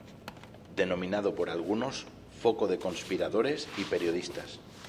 Denominado por algunos: "foco de conspiradores" y periodistas.